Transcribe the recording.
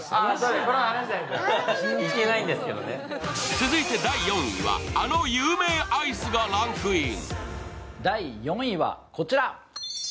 続いて第４位はあの有名アイスがランクイン。